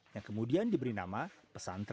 yang kemudian diberi nama pesantren